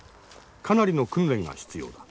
かなりの訓練が必要だ。